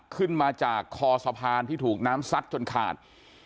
ขึ้นมาจากคอสะพานที่ถูกน้ำซัดจนขาด